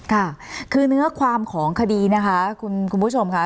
ค่ะคือเนื้อความของคดีนะคะคุณผู้ชมค่ะ